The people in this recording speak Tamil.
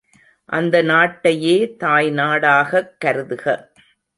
அந்த நாட்டையே தாய்நாடாகக் கருதுக!